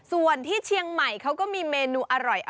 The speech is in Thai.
ส่วนที่เชียงใหม่เขาก็มีเมนูอร่อย